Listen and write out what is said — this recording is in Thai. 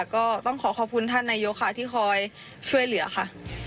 ก็ต้องขอขอบคุณท่านนายกค่ะที่คอยช่วยเหลือค่ะ